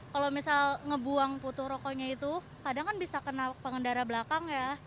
kalau misal ngebuang putu rokoknya itu kadang kan bisa kena pengendara belakang ya